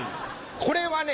これはね